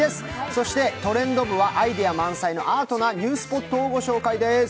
そして「トレンド部」はアイデア満載のアートなニュースポットをご紹介します。